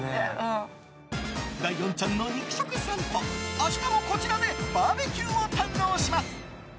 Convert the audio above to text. ライオンちゃんの肉食さんぽ明日もこちらでバーベキューを堪能します。